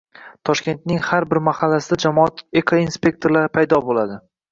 Toshkentning har bir mahallasida jamoat ekoinspektorlari paydo bo‘ladi